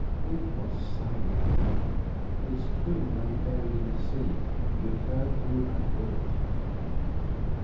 it was silent now, its twin lay buried in the sea with her who had worked it.